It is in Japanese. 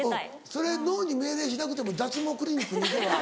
それ脳に命令しなくても脱毛クリニックに行けば。